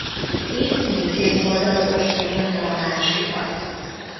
Így mindkét oldal ostromolta a másikat.